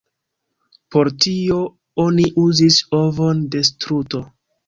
Por tio oni uzis ovon de struto.